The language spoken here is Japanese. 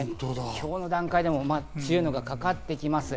今日の段階でも強いのがかかってきます。